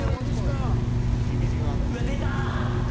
うわっ出た！